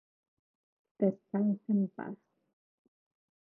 Descansa en paz"".